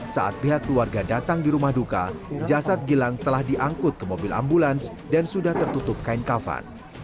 saat pihak keluarga datang di rumah duka jasad gilang telah diangkut ke mobil ambulans dan sudah tertutup kain kafan